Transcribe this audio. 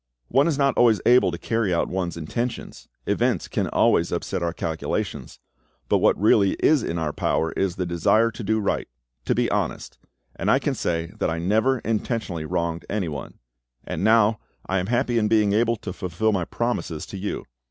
One is not always able to carry out one's intentions; events can always upset our calculations; but what really is in our power is the desire to do right—to be honest; and I can say that I never intentionally wronged anyone. And now. I am happy in being able to fulfil my promises to you.